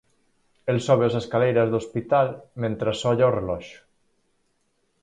El sobe as escaleiras do hospital mentres olla o reloxo.